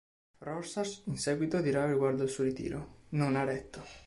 Rorschach in seguito dirà riguardo al suo ritiro: "Non ha retto".